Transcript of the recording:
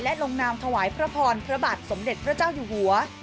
และลงนามถวายพระพรพระบาทสมเด็จพระเจ้าอยู่หัว